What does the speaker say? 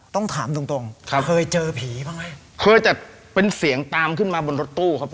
ต้องถามตรงตรงครับเคยเจอผีบ้างไหมเคยแต่เป็นเสียงตามขึ้นมาบนรถตู้ครับผม